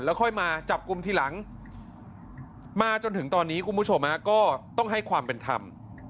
ค่อยมาจับกลุ่มทีหลังมาจนถึงตอนนี้คุณผู้ชมก็ต้องให้ความเป็นธรรม